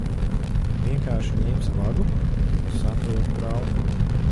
Vienkārši ņemsi vagu? Saprotu, brāl'.